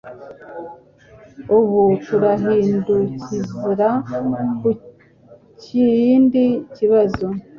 Ubu turahindukira kukindi kibazo